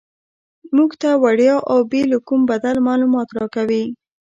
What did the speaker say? موږ ته وړیا او بې له کوم بدل معلومات راکوي.